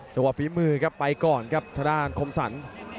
สุภาพฤมูลครับไปก่อนครับทะดานคมสรร